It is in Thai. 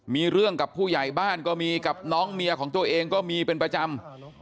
มีเรื่องกับผู้ใหญ่บ้านก็มีกับน้องเมียของตัวเองก็มีเป็นประจำ